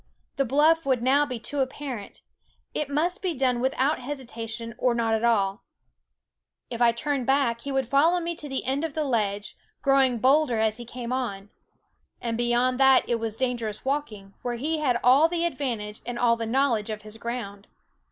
The bluff would now be too apparent ; it must be done without hesitation, or not at all. If I THE WOODS turned back, he would follow me to the end of the ledge, growing bolder as he came on ; and beyond that it was dangerous walking, where he had all the advantage and all the knowledge of his ground.